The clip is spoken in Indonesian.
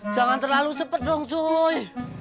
jangan terlalu cepet dong cuy